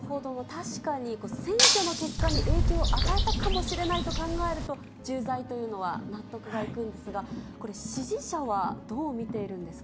確かに、選挙の結果に影響を与えたかもしれないと考えると、重罪というのは納得がいくんですが、これ、支持者はどう見ているんですか。